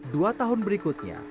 dua tahun berikutnya